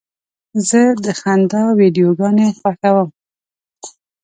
زه د خندا ویډیوګانې خوښوم.